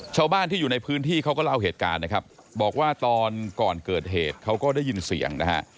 ชาวบ้านที่อยู่ในพื้นที่เขาก็เล่าเหตุการณ์นะครับบอกว่าตอนก่อนเกิดเหตุเขาก็ได้ยินเสียงนะฮะ